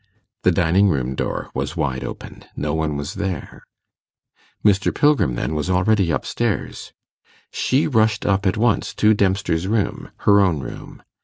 The dining room door was wide open no one was there. Mr. Pilgrim, then, was already up stairs. She rushed up at once to Dempster's room her own room.